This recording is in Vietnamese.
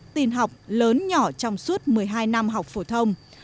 tiền học lớn nhỏ trong suốt một mươi hai năm học phổ thông